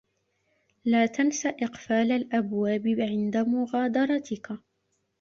لا تنس إقفال الأبواب عند مغادرتك.